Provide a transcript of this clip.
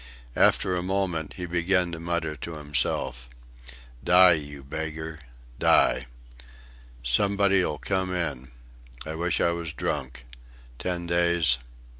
After a moment, he began to mutter to himself, "Die, you beggar die. Somebody'll come in... I wish I was drunk... Ten days...